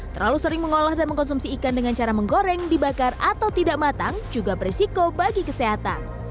terlalu sering mengolah dan mengkonsumsi ikan dengan cara menggoreng dibakar atau tidak matang juga berisiko bagi kesehatan